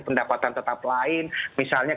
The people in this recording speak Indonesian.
pendapatan tetap lain misalnya